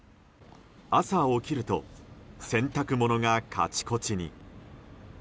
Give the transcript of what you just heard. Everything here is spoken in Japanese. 朝起きると洗濯物がカチコチに。